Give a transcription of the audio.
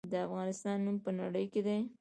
د افغانستان نوم په نړۍ کې دی